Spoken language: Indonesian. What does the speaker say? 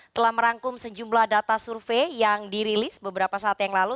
telah merangkum sejumlah data survei yang dirilis beberapa saat yang lalu